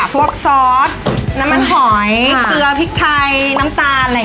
พวกซอสน้ำมันหอยเกลือพริกไทยน้ำตาล